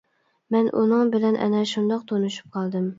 مەن ئۇنىڭ بىلەن ئەنە شۇنداق تونۇشۇپ قالدىم.